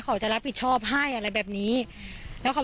ก็กลายเป็นว่าติดต่อพี่น้องคู่นี้ไม่ได้เลยค่ะ